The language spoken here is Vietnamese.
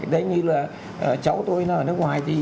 đấy như là cháu tôi ở nước ngoài